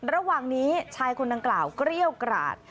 ระหว่างนี้ชายคนดังกล่าวเกรี้ยวกราด